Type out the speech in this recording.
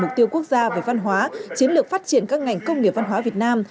mục tiêu quốc gia về văn hóa chiến lược phát triển các ngành công nghiệp văn hóa việt nam